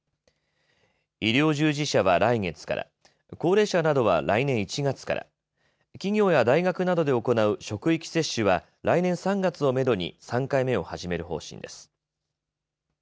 医療従事者は来月から、高齢者などは来年１月から、企業や大学などで行う職域接種は来年３月をめどに３回目を始める方針です。